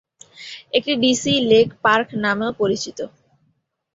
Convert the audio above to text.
এটি DC Lake Park নামেও পরিচিত।